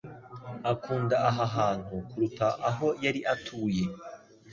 akunda aha hantu kuruta aho yari atuye.